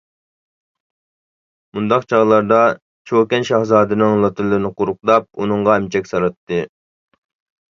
مۇنداق چاغلاردا چوكان شاھزادىنىڭ لاتىلىرىنى قۇرۇقداپ ئۇنىڭغا ئەمچەك سالاتتى.